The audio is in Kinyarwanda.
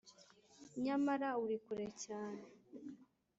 nyamara uri kure cyane.